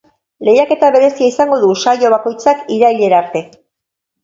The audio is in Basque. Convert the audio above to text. Lehiaketa berezia izango du saio bakoitzak irailera arte.